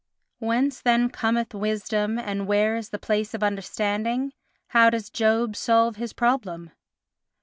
Whence then cometh wisdom and where is the place of understanding? How does Job solve his problem?